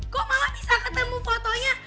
kok malah bisa ketemu fotonya